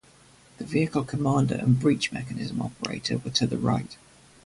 The vehicle commander and breech mechanism operator were to the right.